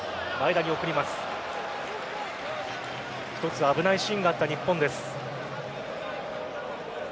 一つ危ないシーンがあった日本です。